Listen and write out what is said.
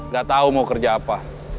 gak tahu mau kerja apa